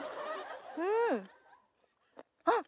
うんあっ！